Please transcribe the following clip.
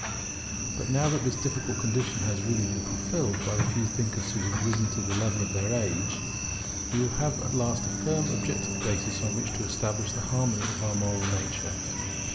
But now that this difficult condition has really been fulfilled by the few thinkers who have risen to the level of their age, we have at last a firm objective basis on which to establish the harmony of our moral nature.